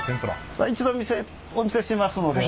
一度お見せしますので。